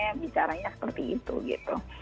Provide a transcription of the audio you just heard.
saya bicaranya seperti itu gitu